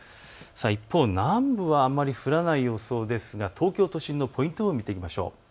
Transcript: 一方、南部はあんまり降らない予想ですが東京都心のポイント予報を見ていきましょう。